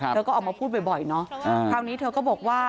เธอก็ออกมาพูดบ่อยเนอะคราวนี้เธอก็บอกว่า